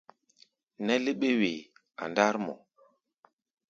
Nɛ́ léɓé-wee a ndár mɔ.